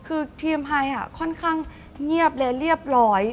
คือทีมไทยค่อนข้างเงียบและเรียบร้อย